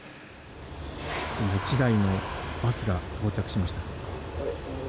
１台のバスが到着しました。